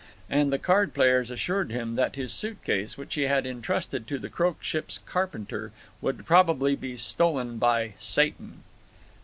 And the card players assured him that his suit case, which he had intrusted to the Croac ship's carpenter, would probably be stolen by "Satan."